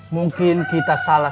mungkin kita salah